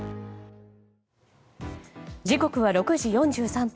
時刻は６時４３分。